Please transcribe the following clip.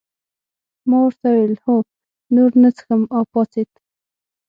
ما ورته وویل هو نور نه څښم او پاڅېد.